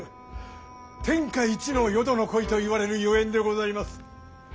天下一の淀の鯉といわれるゆえんでございます。